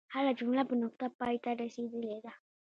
هره جمله په نقطه پای ته رسیدلې ده.